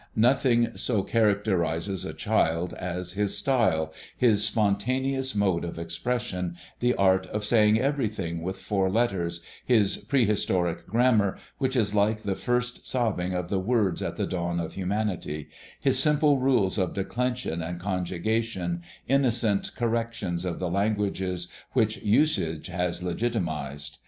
Nothing so characterizes a child as his style, his spontaneous mode of expression, the art of saying everything with four letters, his prehistoric grammar, which is like the first sobbing of the words at the dawn of humanity, his simple rules of declension and conjugation, innocent corrections of the languages which usage has legitimatized.